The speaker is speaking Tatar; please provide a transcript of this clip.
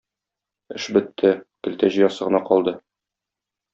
Эш бетте, көлтә җыясы гына калды.